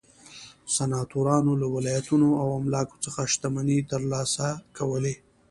سناتورانو له ولایتونو او املاکو څخه شتمنۍ ترلاسه کولې.